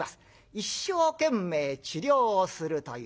一生懸命治療をするという。